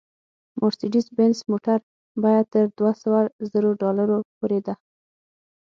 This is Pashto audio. مارسېډیز بینز موټر بیه تر دوه سوه زرو ډالرو پورې ده